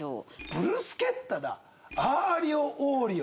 ブルスケッタだアーリオオーリオ。